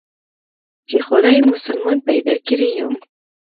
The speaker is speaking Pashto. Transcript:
چې خداى مسلمان پيدا کړى يم.